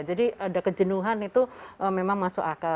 jadi ada kejenuhan itu memang masuk akal